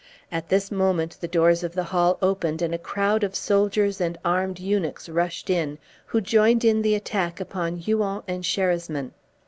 At this moment the doors of the hall opened and a crowd of soldiers and armed eunuchs rushed in, who joined in the attack upon Huon and Sherasmin.